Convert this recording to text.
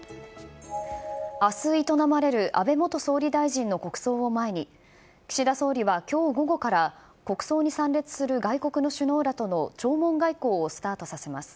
あす営まれる安倍元総理大臣の国葬を前に、岸田総理はきょう午後から、国葬に参列する外国の首脳らとの弔問外交をスタートさせます。